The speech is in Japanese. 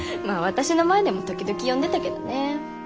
まあ私の前でも時々呼んでたけどね。